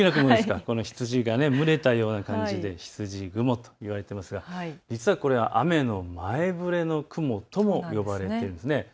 羊が群れたような感じでひつじ雲と呼ばれていますが実はこれ雨の前触れの雲とも呼ばれているんです。